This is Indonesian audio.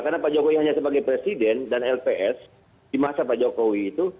karena pak jokowi hanya sebagai presiden dan lps di masa pak jokowi itu